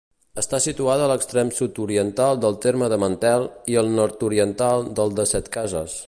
Està situada a l'extrem sud-oriental del terme de Mentet i al nord-oriental del de Setcases.